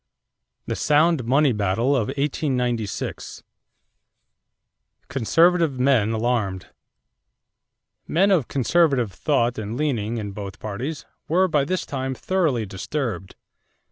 THE SOUND MONEY BATTLE OF 1896 =Conservative Men Alarmed.= Men of conservative thought and leaning in both parties were by this time thoroughly disturbed.